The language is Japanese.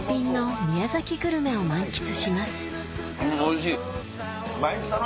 おいしい！